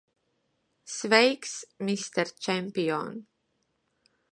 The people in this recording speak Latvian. Sveiks, mister čempion!